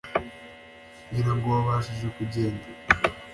ngirango wabashije kugenda